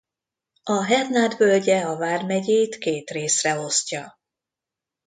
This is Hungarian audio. A Hernád völgye a vármegyét két részre osztja.